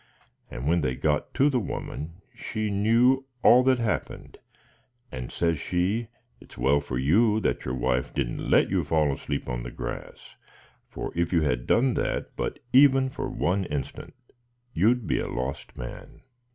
And when they got to the woman she knew all that happened; and, says she, it 's well for you that your wife did n't let you fall asleep on the grass, for if you had done that but even for one instant, you 'd be a lost man.'